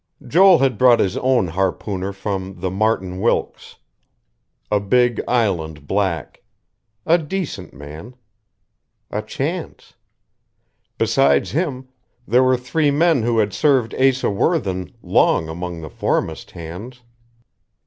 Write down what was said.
Joel had brought his own harpooner from the Martin Wilkes. A big Island black. A decent man.... A chance. Besides him, there were three men who had served Asa Worthen long among the foremast hands.